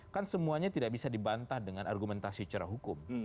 kan semuanya tidak bisa dibantah dengan argumentasi secara hukum